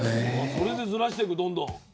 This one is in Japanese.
それでずらしてくどんどん。